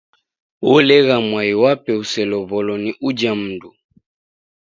Olegha mwai wape uselow'olo ni uja mndu.